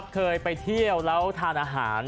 เคยไปเที่ยวแล้วทานอาหาร